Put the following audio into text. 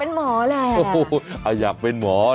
น้องก็อยากเป็นหมอแหละ